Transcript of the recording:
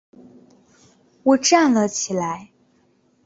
我站了起来